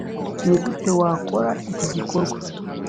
Ni gute Wakora iki gikorwa?